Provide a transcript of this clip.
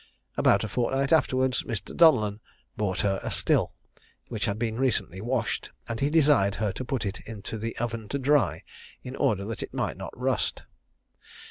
About a fortnight afterwards Mr. Donellan brought her a still, which had been recently washed, and he desired her to put it into the oven to dry, in order that it might not rust.